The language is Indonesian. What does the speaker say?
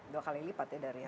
dua kali lipat ya dari yang